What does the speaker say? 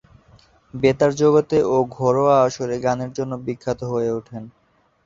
বেতার জগতে ও ঘরোয়া আসরে গানের জন্য বিখ্যাত হয়ে ওঠেন।